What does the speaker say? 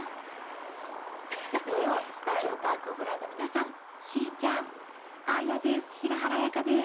「土曜スタジオパーク」をご覧の皆さん、しーちゃんあーやです。